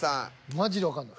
マジでわかんない。